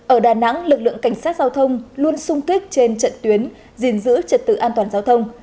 ở đà nẵng lực lượng cảnh sát giao thông luôn sung kích trên trận tuyến gìn giữ trật tự an toàn giao thông